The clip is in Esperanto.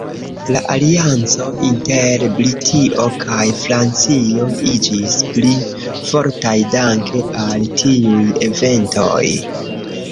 La alianco inter Britio kaj Francio iĝis pli fortaj danke al tiuj eventoj.